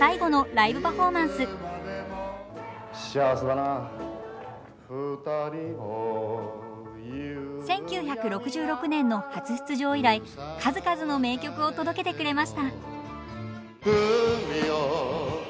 「紅白」で１９６６年の初出場以来数々の名曲を届けてくれました。